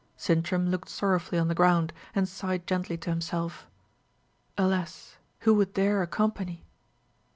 Sintram looked sorrowfully on the ground, and sighed gently to himself: "Alas! who would dare accompany?"